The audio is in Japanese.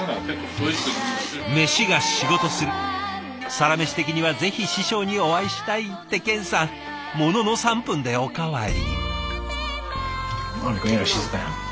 「サラメシ」的にはぜひ師匠にお会いしたい。って健さんものの３分でおかわり。